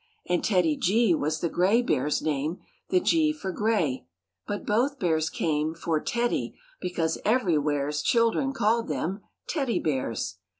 And TEDDY G was the gray bear's name; The G for gray; but both bears came For "Teddy" because everywheres Children called them Teddy Bears.